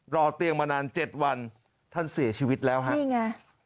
รอเตียงมานาน๗วันท่านเสียชีวิตแล้วฮะนี่ไง